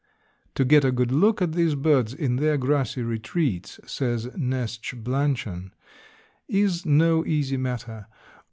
"To get a good look at these birds in their grassy retreats," says Neltje Blanchan, "is no easy matter.